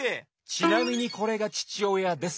ちなみにこれがちちおやです。